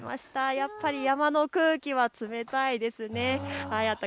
やっぱり山の空気は冷たいですね。